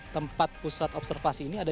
tempat pusat observasi ini ada